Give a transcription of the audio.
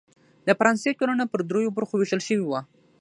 د فرانسې ټولنه پر دریوو برخو وېشل شوې وه.